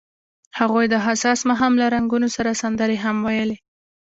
هغوی د حساس ماښام له رنګونو سره سندرې هم ویلې.